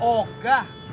pasti gak beli